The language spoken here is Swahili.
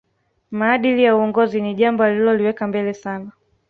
Maadili ya uongozi ni jambo aliloliweka mbele sana